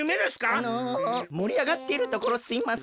あのもりあがってるところすいません。